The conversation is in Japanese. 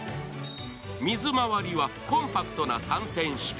水回りはコンパクトな３点式。